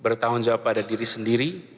bertanggung jawab pada diri sendiri